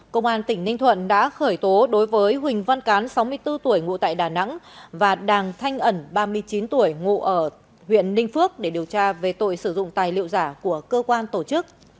công an tỉnh ninh thuận đã khởi tố đối với huỳnh văn cán sáu mươi bốn tuổi ngụ tại đà nẵng và đàng thanh ẩn ba mươi chín tuổi ngụ ở huyện ninh phước để điều tra về tội sử dụng tài liệu giả của cơ quan tổ chức